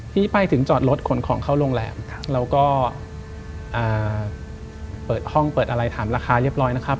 ที่ไปถึงจอดรถขนของเข้าโรงแรมแล้วก็เปิดห้องเปิดอะไรถามราคาเรียบร้อยนะครับ